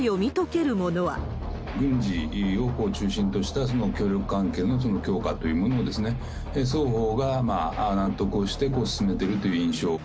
軍事を中心とした協力関係の強化というものを、双方が納得をして進めてるという印象。